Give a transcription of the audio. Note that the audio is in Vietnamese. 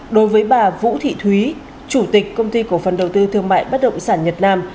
đối với bà vũ thị thúy chủ tịch công ty cổ phần đầu tư thương mại bất động sản nhật nam